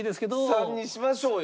３にしましょうよ。